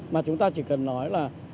mà chúng ta chỉ cần nói là